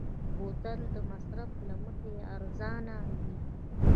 بوتل د مصرف له مخې ارزانه وي.